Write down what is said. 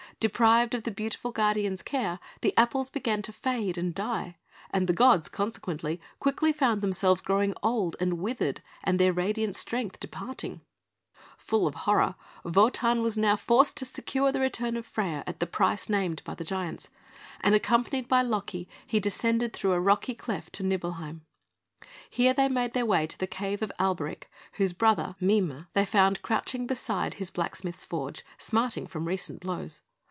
Deprived of the beautiful guardian's care, the apples began to fade and die, and the gods, consequently, quickly found themselves growing old and withered, and their radiant strength departing. Full of horror, Wotan was now forced to secure the return of Freia at the price named by the giants; and, accompanied by Loki, he descended through a rocky cleft to Nibelheim. Here they made their way to the cave of Alberic, whose brother, Mime, they found crouching beside his blacksmith's forge, smarting from recent blows.